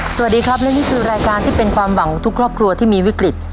สวัสดีครับและนี่คือรายการที่เป็นความหวังของทุกครอบครัวที่มีวิกฤต